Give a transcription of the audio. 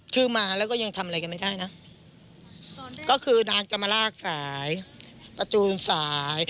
คือมาแล้วก็ยังทำอะไรกันไม่ได้นะก็คือดานจะมาลากสายประตูสาย